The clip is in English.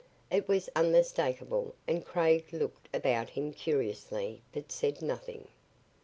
It was unmistakable and Craig looked about him curiously but said nothing.